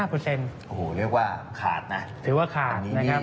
โอ้โหเรียกว่าขาดนะ